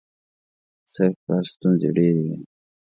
سږکال ستونزې ډېرې وې.